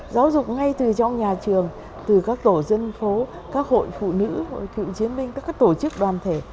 giáo dục ngay từ trong nhà trường từ các tổ dân phố các hội phụ nữ hội cựu chiến binh các tổ chức đoàn thể